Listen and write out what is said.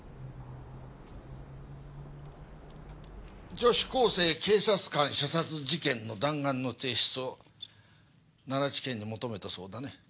女子高生・警察官射殺事件の弾丸の提出を奈良地検に求めたそうだね。